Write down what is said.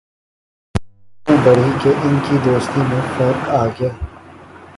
بات اتنی بڑھی کہ ان کی دوستی میں فرق آگیا